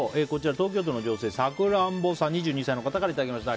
東京都の２２歳の女性からいただきました。